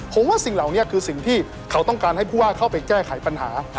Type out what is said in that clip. ก็คือสิ่งที่เขาต้องการให้ผู้ว่าเข้าไปแจ้ไขปัญหา